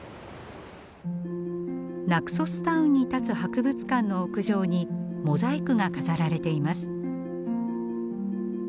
ナクソスタウンに建つ博物館の屋上にモザイクが飾られています。